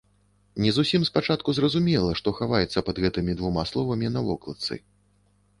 Не зусім спачатку зразумела, што хаваецца пад гэтымі двума словамі на вокладцы.